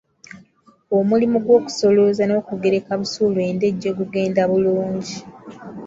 Omulimu gw’okusolooza n’okugereka busuulu e Ndejje gugenda bulungi.